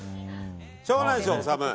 しょうがないでしょ、統。